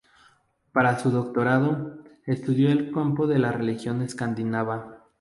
Para su doctorado, estudió el campo de la religión escandinava.